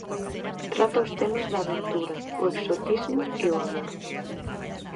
Trata os temas da aventura, o exotismo e o amor.